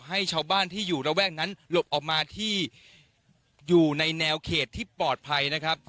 ให้ชาวบ้านที่อยู่ระแวกนั้นหลบออกมาที่อยู่ในแนวเขตที่ปลอดภัยนะครับ